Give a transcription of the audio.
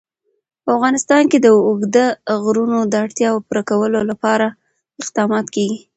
په افغانستان کې د اوږده غرونه د اړتیاوو پوره کولو لپاره اقدامات کېږي.